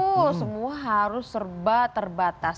betul semua harus serba terbatas